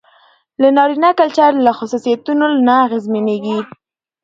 د نارينه کلچر له خصوصيتونو نه اغېزمنېږي.